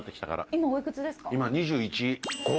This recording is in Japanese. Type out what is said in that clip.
今おいくつですか？